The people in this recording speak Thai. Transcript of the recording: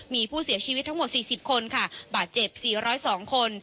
มีผู้เสียชีวิตทั้งหมด๔๐คนค่ะบาดเจ็บ๔๐๒คน